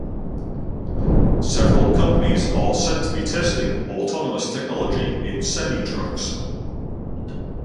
Several companies are said to be testing autonomous technology in semi trucks.